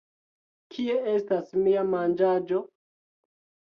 Kie estas mia manĝaĵo?